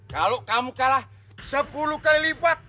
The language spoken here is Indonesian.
kalau kamu kalah sepuluh kali lipat